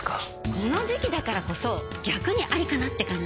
この時期だからこそ逆にありかなって感じ？